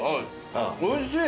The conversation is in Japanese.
おいしい。